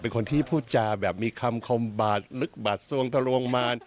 เป็นคนที่พูดจาแบบมีคำคมบาดลึกบาดสวงทะลวงมาร